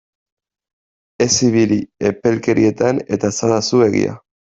Ez ibili epelkerietan eta esadazu egia!